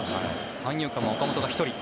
三遊間も岡本が１人。